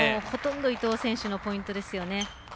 ほとんど伊藤選手のポイントですよね。